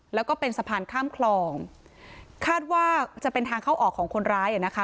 แล้วก็เป็นสะพานข้ามคลองคาดว่าจะเป็นทางเข้าออกของคนร้ายอ่ะนะคะ